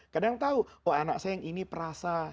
kadang tahu oh anak sayang ini perasa